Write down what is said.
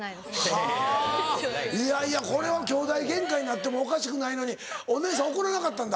はぁいやいやこれはきょうだいゲンカになってもおかしくないのにお姉さん怒らなかったんだ。